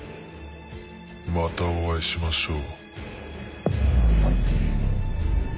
またお会いしましょう。